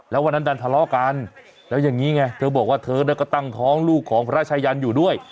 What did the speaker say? แล้ววันนั้นดันทะเลาะกันแล้วอย่างนี้ไงเธอบอกว่าเธอก็ตั้งท้องลูกของพระชายันอยู่ด้วย